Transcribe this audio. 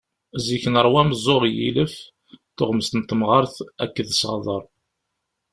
Zik neṛwa ameẓẓuɣ n yilef, tuɣmest n temɣart akked seɣdeṛ.